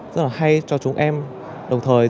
rất là hay cho chúng em đồng thời